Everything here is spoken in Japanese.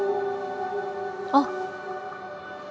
あっ！